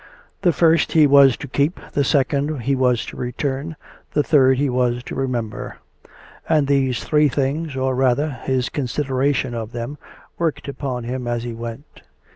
The first he was to keep, the second he was to return, the third he was to remember; and these three things, or, rather, his consideration of them, worked upon him as he went.